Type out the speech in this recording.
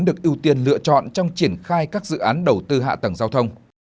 được ưu tiên lựa chọn trong triển khai các dự án đầu tư hạ tầng giao thông